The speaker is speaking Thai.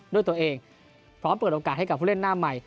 ด้วยต่อเองเพราะเปิดโอกาสให้ผู้เล่นน่าใหม่